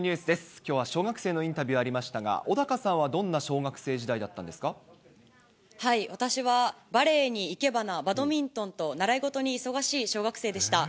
きょうは小学生のインタビューありましたが、小高さんはどんな小私は、バレエに生け花、バドミントンと、習い事に忙しい小学生でした。